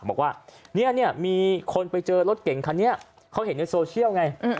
บอกว่ามีคนไปเจอรถเก่งค่ะเขาเห็นในโซเชียลไง